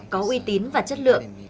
có uy tín và chất lượng